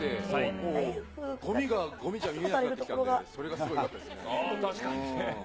もうごみがごみじゃ見えなくなってきたんで、それがすごいよかっ確かにね。